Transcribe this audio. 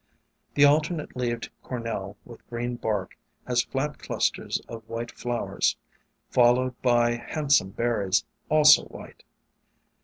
The alter nate leaved Cornel, with green bark, has flat clusters of white flowers, followed by hand some berries, also white.